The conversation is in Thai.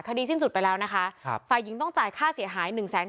สิ้นสุดไปแล้วนะคะครับฝ่ายหญิงต้องจ่ายค่าเสียหายหนึ่งแสน